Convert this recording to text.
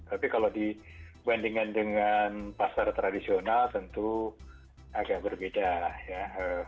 tapi kalau dibandingkan dengan pasar tradisional tentu agak berbeda ya